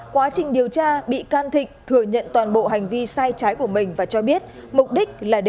quá trình điều tra bị can thịnh thừa nhận toàn bộ hành vi sai trái của mình và cho biết mục đích là để